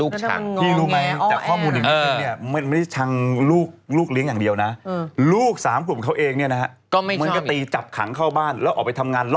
คือร่วมกันปิดบังซ่อนสบแน่